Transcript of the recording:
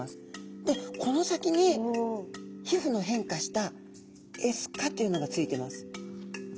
でこの先に皮膚の変化したエスカというのがついています。